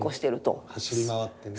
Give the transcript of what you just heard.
走り回ってね。